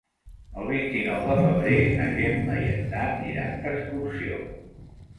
El vint-i-nou de febrer na Gemma i en Dan iran d'excursió.